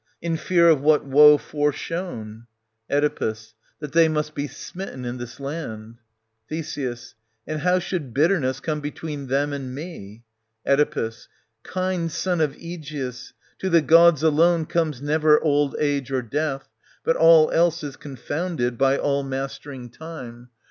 In fear of what woe foreshown } Oe. That they must be smitten in this land. Th. And how should bitterness come between them and me ? Oe. Kind son of Aegeus, to the gods alone comes never old age or death, but all else is confounded by all mastering time.